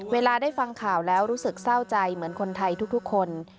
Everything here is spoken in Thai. เวลาได้ฟังข่าวแล้วรู้สึกเศร้าใจเหมือนคนไทยทุกคน